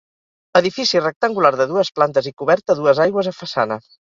Edifici rectangular de dues plantes i coberta a dues aigües a façana.